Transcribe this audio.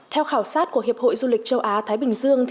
theo khảo sát của hiệp hội du lịch châu á thái bình dương